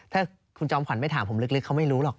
ถ้าคุณจอมขวัญไม่ถามผมลึกเขาไม่รู้หรอก